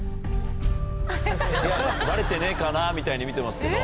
いや「バレてねえかな」みたいに見てますけど。